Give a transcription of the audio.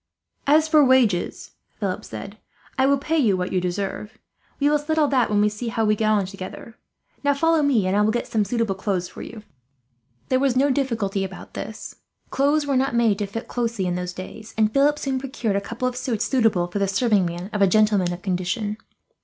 "As for wages," Philip said, "I will pay you what you deserve. We will settle that when we see how we get on together. Now follow me, and I will get some suitable clothes for you." There was no difficulty about this. Clothes were not made to fit closely in those days, and Philip soon procured a couple of suits suitable for the serving man of a gentleman of condition.